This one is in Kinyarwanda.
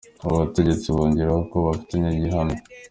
Aba bategetsi bongeraho ko babifitiye gihamya.